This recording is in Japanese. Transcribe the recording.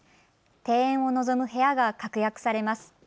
庭園をのぞむ部屋が確約されます。